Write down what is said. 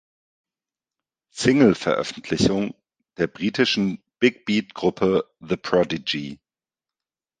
Singleveröffentlichung der britischen Big-Beat-Gruppe The Prodigy.